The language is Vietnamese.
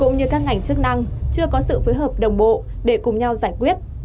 cũng như các ngành chức năng chưa có sự phối hợp đồng bộ để cùng nhau giải quyết